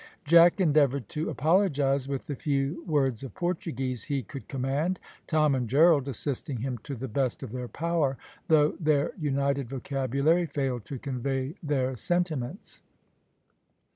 Jack endeavoured to apologise with the few words of Portuguese he could command, Tom and Gerald assisting him to the best of their power, though their united vocabulary failed to convey their sentiments.